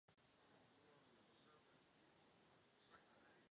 Každý z herních objektů má svá vlastní kritéria pro úspěšný zásah.